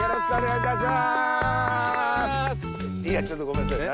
いやちょっとごめんなさい何？